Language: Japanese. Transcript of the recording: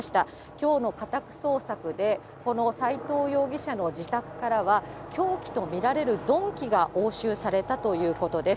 きょうの家宅捜索で、この斎藤容疑者の自宅からは、凶器と見られる鈍器が押収されたということです。